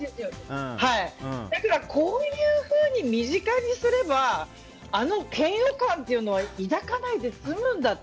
こういうふうに身近にすればあの嫌悪感というのは抱かないで済むんだって。